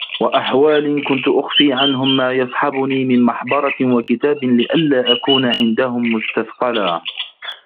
وَأَحْوَالٍ كُنْت أُخْفِي عَنْهُمْ مَا يَصْحَبُنِي مِنْ مَحْبَرَةٍ وَكِتَابٍ لِئَلَّا أَكُونَ عِنْدَهُمْ مُسْتَثْقَلًا